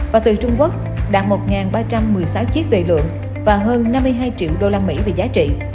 và từ trung quốc đạt một ba trăm một mươi sáu chiếc về lượng và hơn năm mươi hai triệu usd về giá trị